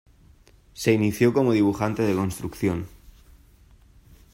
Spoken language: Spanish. Se inició como dibujante de construcción.